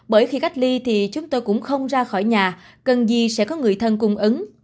bởi khi cách ly thì chúng tôi cũng không ra khỏi nhà cần gì sẽ có người thân cung ứng